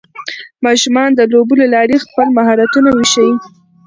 ماشومان د لوبو له لارې خپل مهارتونه وښيي